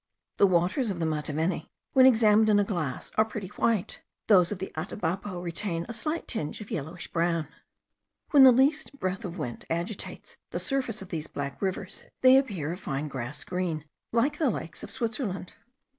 The waters of the Mataveni, when examined in a glass, are pretty white; those of the Atabapo retain a slight tinge of yellowish brown. When the least breath of wind agitates the surface of these black rivers they appear of a fine grass green, like the lakes of Switzerland.